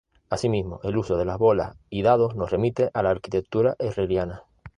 Asimismo, el uso de las bolas y dados nos remite a la arquitectura herreriana.